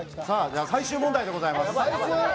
最終問題でございます。